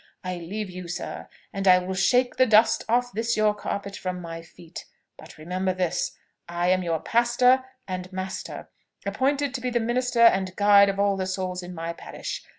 I leave you, sir, and I will shake the dust off this your carpet from off my feet. But remember this, I am your pastor and master, appointed to be the minister and guide of all the souls in my parish.